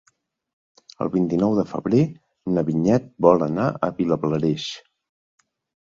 El vint-i-nou de febrer na Vinyet vol anar a Vilablareix.